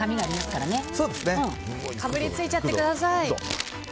かぶりついちゃってください。